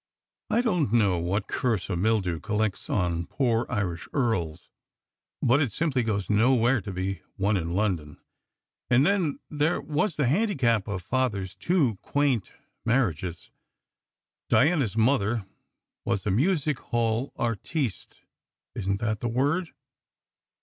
I don t know what curse or mildew collects on poor Irish earls, but it simply goes nowhere to be one in London; and then there was the handicap of Father s two quaint mar riages. Diana s mother was a music hall "artiste" (isn t that the word?)